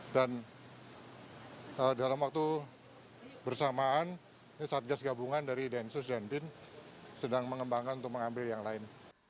dan dalam waktu bersamaan ini satgas gabungan dari densus dan bin sedang mengembangkan untuk mengambil yang lain